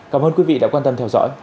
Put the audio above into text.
cảm ơn quý vị đã quan tâm theo dõi